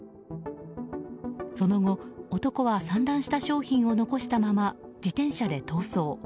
その後、男は散乱した商品を残したまま自転車で逃走。